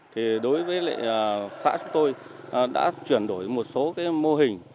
thì đối với lại xã chúng tôi đã chuyển đổi một số cái mô hình